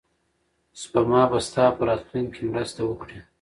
سپما به ستا په راتلونکي کې مرسته وکړي.